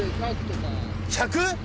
「１００？」